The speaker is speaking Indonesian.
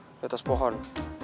liatin tuh di atas pohon